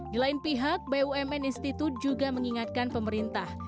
di lain pihak bumn institut juga mengingatkan pemerintah